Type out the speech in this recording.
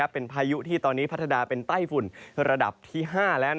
เป็นพายุที่ตอนนี้พัฒนาเป็นไต้ฝุ่นระดับที่๕แล้ว